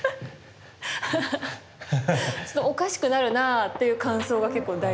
ちょっとおかしくなるなあっていう感想が結構第一印象かも。